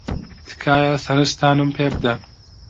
تکایە سەرنجتانم پێ بدەن.